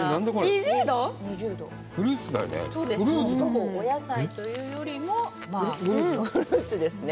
ほぼお野菜というよりもまぁフルーツですね